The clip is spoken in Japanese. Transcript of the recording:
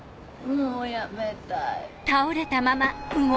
もう辞めたい。